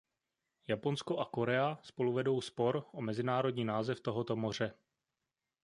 Japonsko a Korea spolu vedou spor o mezinárodní název tohoto moře.